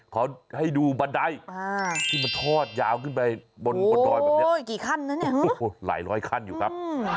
เขาให้ดูบันไดที่มันทอดยาวขึ้นไปบนดอยแบบนี้กี่ขั้นนะเนี่ยโอ้โหหลายร้อยขั้นอยู่ครับ